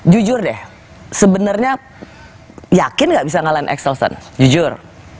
jujur deh sebenarnya yakin gak bisa ngalahin exelsen jujur